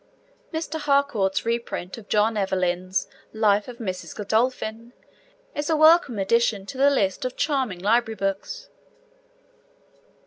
Mr. Harcourt's reprint of John Evelyn's Life of Mrs. Godolphin is a welcome addition to the list of charming library books.